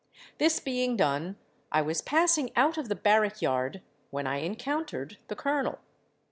This being done, I was passing out of the barrack yard, when I encountered the Colonel.